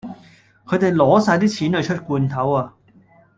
佢哋攞曬啲錢去出罐頭呀